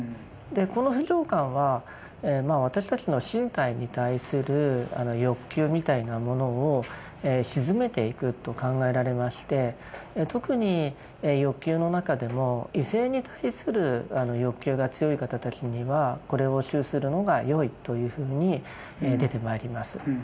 この不浄観は私たちの身体に対する欲求みたいなものを静めていくと考えられまして特に欲求の中でも異性に対する欲求が強い方たちにはこれを修するのがよいというふうに出てまいります。